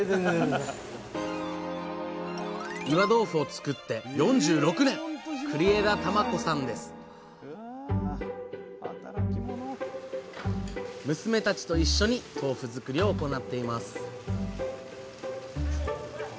岩豆腐を作って４６年娘たちと一緒に豆腐作りを行っています